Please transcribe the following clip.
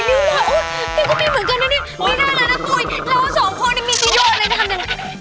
ไม่มีกิโยชน์เลยนะคำหนึ่ง